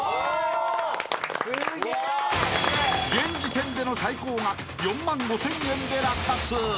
［現時点での最高額４万５，０００円で落札］